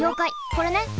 これね。